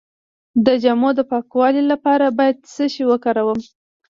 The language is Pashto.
د جامو د پاکوالي لپاره باید څه شی وکاروم؟